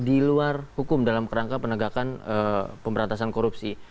di luar hukum dalam kerangka penegakan pemberantasan korupsi